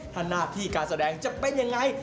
หน้าที่การแสดงจะเป็นอย่างไร